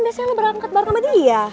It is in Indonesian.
biasanya kamu berapahalung bangga dengan dia